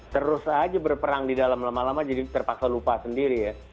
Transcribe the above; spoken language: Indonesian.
terus aja berperang di dalam lama lama jadi terpaksa lupa sendiri ya